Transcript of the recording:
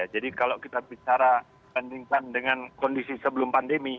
jadi kalau kita bicara bandingkan dengan kondisi sebelum pandemi